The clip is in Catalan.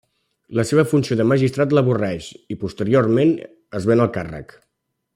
La seva funció de magistrat l'avorreix, i posteriorment es ven el càrrec.